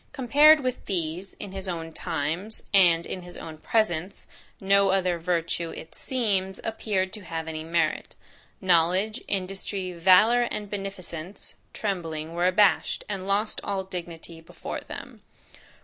Compared with these, in his own times, and in his own presence, no other virtue, it seems, appeared to have any merit. Knowledge, industry, valour, and beneficence, trembling, were abashed, and lost all dignity before them."